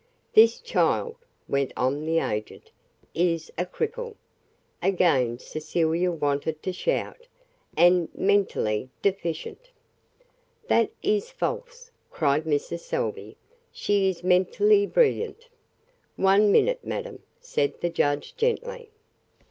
"This child," went on the agent, "is a cripple" again Cecilia wanted to shout "and mentally deficient." "That is false!" cried Mrs. Salvey. "She is mentally brilliant." "One minute, madam," said the judge gently.